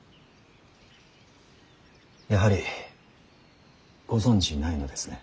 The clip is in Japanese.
やはりご存じないのですね。